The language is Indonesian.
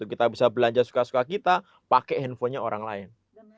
kita bisa belanja suka suka kita pakai handphonenya orang lain